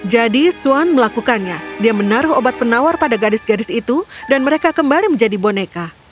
jadi swan melakukannya dia menaruh obat penawar pada gadis gadis itu dan mereka kembali menjadi boneka